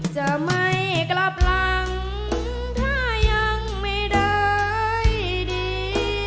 จะไม่กลับหลังถ้ายังไม่ได้ดี